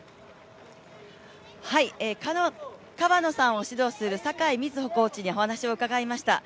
川野さんを指導する酒井瑞穂コーチにお話を伺いました。